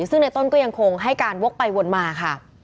ซึ่งในต้นก็ยังคงให้การวกไปวนมาค่ะ